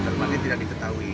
karena tidak diketahui